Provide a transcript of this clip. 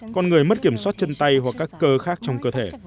con người mất kiểm soát chân tay hoặc các cơ khác trong cơ thể